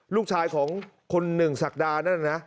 ลูกชายของคุณหนึ่งศักดานั่นนะ